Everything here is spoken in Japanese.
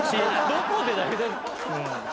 どこでだよ！